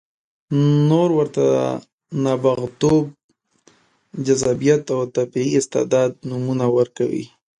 نور ورته د نابغتوب، جذابیت او طبیعي استعداد نومونه ورکوي.